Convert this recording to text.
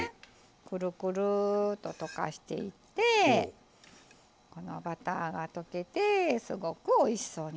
くるくるっと溶かしていってこのバターが溶けてすごくおいしそうになってきます。